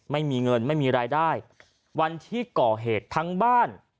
ไม่มีเงินไม่มีรายได้วันที่ก่อเหตุทั้งบ้าน